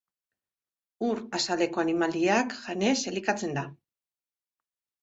Ur azaleko animaliak janez elikatzen da.